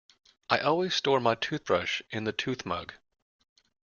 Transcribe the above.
I always store my toothbrush in the toothmug.